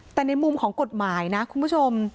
แต่ในมุมของกฎหมายนะคุณผู้ชม